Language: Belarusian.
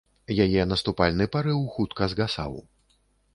Яе наступальны парыў хутка згасаў.